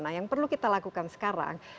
nah yang perlu kita lakukan sekarang